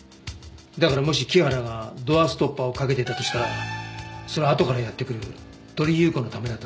だからもし木原がドアストッパーをかけていたとしたらそれはあとからやって来る鳥居優子のためだったと思います。